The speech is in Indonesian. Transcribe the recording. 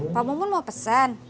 pak mo pun mau pesen